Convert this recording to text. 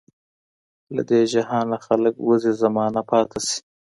له دې جهانه خلک وزي زمانه پاته سي